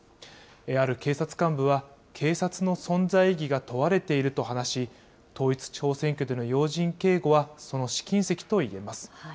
ある警察幹部は、警察の存在意義が問われていると話し、統一地方選挙での要人警護はその試金石といえます。